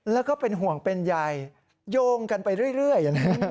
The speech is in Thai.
แล้วก็เป็นห่วงเป็นใยโยงกันไปเรื่อย